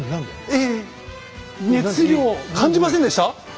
ええ⁉熱量を感じませんでした？